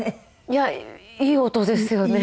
いやいい音ですよね。